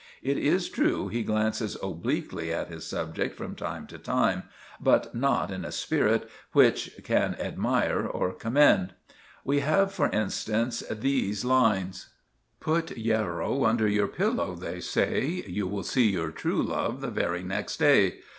It is true he glances obliquely at his subject from time to time; but not in a spirit which can admire or commend. We have, for instance, these lines— "'Put yarrow under your pillow, they say, You will see your true love the very next day.